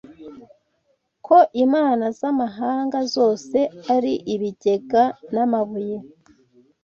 Ko imana z'amahanga zose ari ibigega n'amabuye